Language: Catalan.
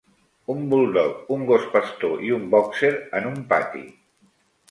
Un buldog, un gos pastor i un bòxer en un pati.